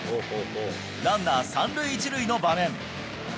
ランナー三塁一塁の場面。